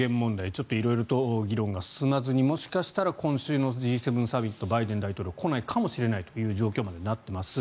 ちょっと色々と議論が進まずにもしかしたら今週のＧ７サミットバイデン大統領が来ないかもしれないという状況までなってます。